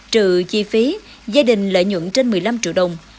trừ chi phí gia đình lợi nhuận trên một mươi năm triệu đồng